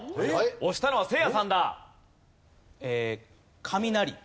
押したのはせいやさんだ。